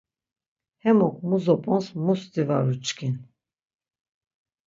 Hemuk mu zop̌ons musti var uçkin.